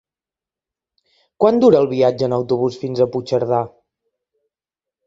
Quant dura el viatge en autobús fins a Puigcerdà?